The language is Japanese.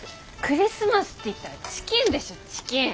クリスマスっていったらチキンでしょチキン。